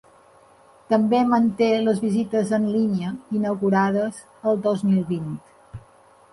També manté les visites en línia inaugurades el dos mil vint.